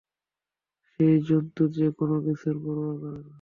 সেই জন্তু যে কোনোকিছুর পরোয়া করে না।